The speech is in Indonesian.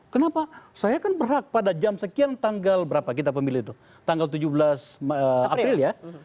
kenapa saya kan berhak pada jam sekian tanggal berapa kita pemilih itu tanggal tujuh belas april ya